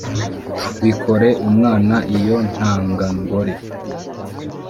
bikore umwana iyo ntangangore